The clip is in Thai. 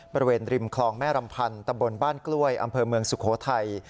บริเวณริมคลองแม่รำพันธ์ตะบนบ้านกล้วยอำเภอเมืองสุโขทัย